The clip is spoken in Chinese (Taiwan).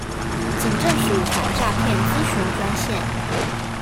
警政署反詐騙諮詢專線